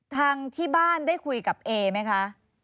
ทางที่บ้านได้คุยกับเอไหมคะ